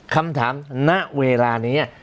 คำถามณเวลานี้